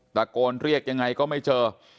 ตะโกนเรียกยังไงก็ไม่เจอ